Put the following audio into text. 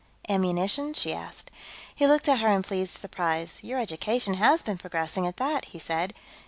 "Ammunition?" she asked. He looked at her in pleased surprise. "Your education has been progressing, at that," he said.